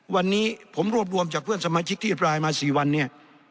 วันนี้ผมรวบรวมจากเพื่อนสมาชิกที่อภรายมา๔วันเนี่ย